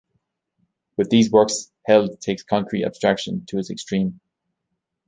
With these works Held takes concrete abstraction to its extreme.